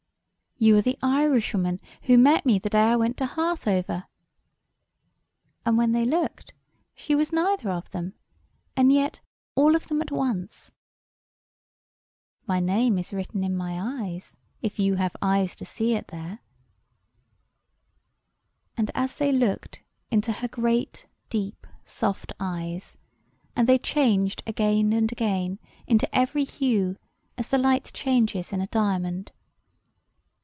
"You are the Irishwoman who met me the day I went to Harthover!" And when they looked she was neither of them, and yet all of them at once. "My name is written in my eyes, if you have eyes to see it there." And they looked into her great, deep, soft eyes, and they changed again and again into every hue, as the light changes in a diamond.